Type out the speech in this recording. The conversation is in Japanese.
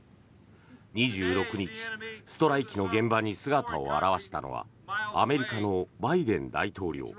２６日、ストライキの現場に姿を現したのはアメリカのバイデン大統領。